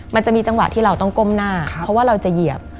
มันจะมีจังหวะที่เราต้องก้มหน้าเพราะว่าเราจะเหยียบ